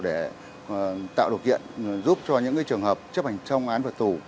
để tạo điều kiện giúp cho những cái trường hợp chấp hành trong án vật tù